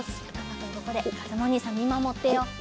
ここでかずむおにいさんみまもってよう。